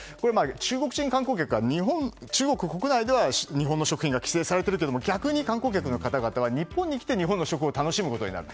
中国人観光客は中国国内では日本の食品が規制されているというのも逆に観光客の方々は日本に来て日本の食を楽しむことになる。